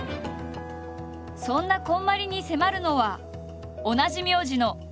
そんなこんまりに迫るのは同じ名字のご存じ